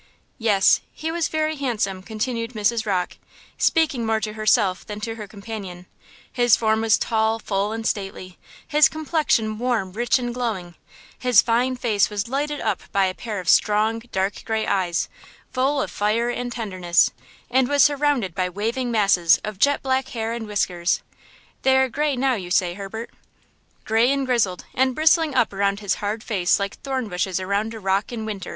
"Yes, he was very handsome," continued Mrs. Rocke, speaking more to herself than to her companion; "his form was tall, full and stately; his complexion warm, rich and glowing; his fine face was lighted up by a pair of strong, dark gray eyes, full of fire and tenderness, and was surrounded by waving masses of jet black hair and whiskers; they are gray now, you say, Herbert?" "Gray and grizzled, and bristling up around his hard face like thorn bushes around a rock in winter!"